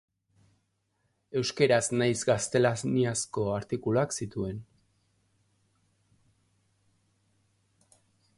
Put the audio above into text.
Euskaraz nahiz gaztelaniazko artikuluak zituen.